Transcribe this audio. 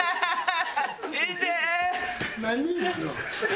ハハハハ！